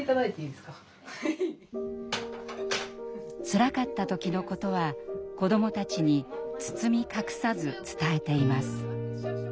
つらかった時のことは子どもたちに包み隠さず伝えています。